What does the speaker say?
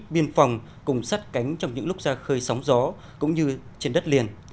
biên phòng cùng sắt cánh trong những lúc ra khơi sóng gió cũng như trên đất liền